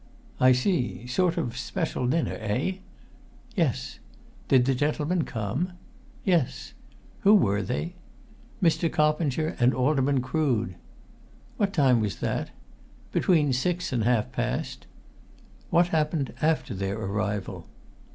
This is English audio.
"I see. Sort of special dinner, eh?" "Yes." "Did the gentlemen come?" "Yes." "Who were they?" "Mr. Coppinger and Alderman Crood." "What time was that?" "Between six and half past." "What happened after their arrival?"